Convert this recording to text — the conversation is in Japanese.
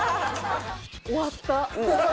終わった。